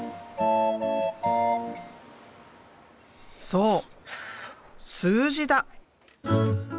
そう数字だ！